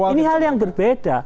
ini hal yang berbeda